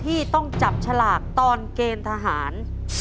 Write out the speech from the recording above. ที่ต้องจับฉลากตอนเกณฑ์ทหาร